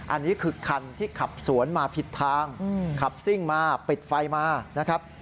อันนี้คือคันที่ขับสวนมาผิดทางขับซิ่งมาปิดไฟมานะครับ